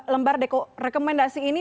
lembar rekomendasi ini